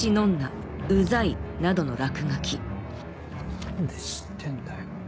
何で知ってんだよ。